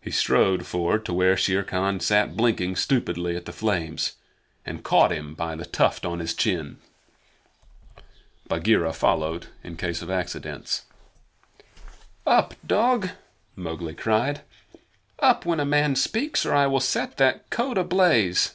He strode forward to where Shere Khan sat blinking stupidly at the flames, and caught him by the tuft on his chin. Bagheera followed in case of accidents. "Up, dog!" Mowgli cried. "Up, when a man speaks, or I will set that coat ablaze!"